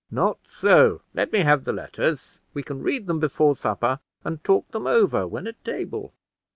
"Not so; let me have the letters; we can read them before supper, and talk them over when at table."